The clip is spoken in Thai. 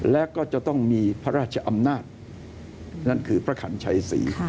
และก็จะต้องมีพระราชอำนาจนั่นคือพระขันชัยศรี